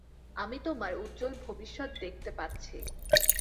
আমি তোমার উজ্জ্বল ভবিষ্যৎ দেখতে পাচ্ছি।